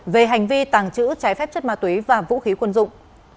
về hành vi tàng trữ trái phép chất ma túy và vũ khí quân dụng